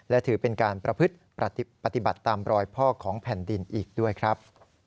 และถือเป็นการประพฤติปฏิบัติตามรอยพ่อของแผ่นดินอีกด้วยครับ